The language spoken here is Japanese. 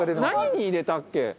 何に入れたっけ？